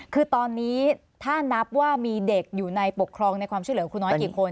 คือตอนนี้ถ้านับว่ามีเด็กอยู่ในปกครองในความช่วยเหลือครูน้อยกี่คน